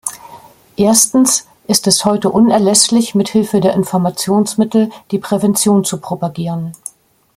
Erstens ist es heute unerlässlich, mit Hilfe der Informationsmittel die Prävention zu propagieren.